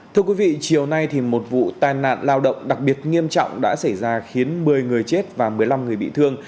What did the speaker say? thưa quý vị chiều nay một vụ tai nạn lao động đặc biệt nghiêm trọng đã xảy ra khiến một mươi người chết và một mươi năm người bị thương